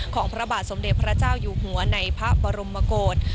พระบาทสมเด็จพระเจ้าอยู่หัวในพระบรมโกศ